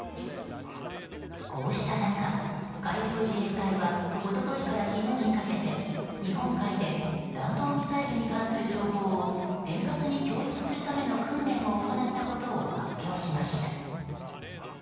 こうした中、海上自衛隊は一昨日から昨日にかけて日本海で弾道ミサイルに関する情報を円滑に共有するための訓練を行ったことを発表しました。